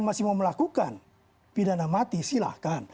kalau tidak mau melakukan pidana mati silahkan